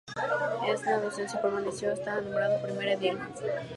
En la docencia permaneció hasta ser nombrado primer edil.